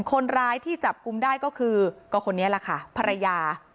คนร้ายที่จับกลุ่มได้ก็คือก็คนนี้แหละค่ะภรรยา